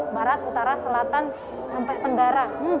barat utara selatan sampai tenggara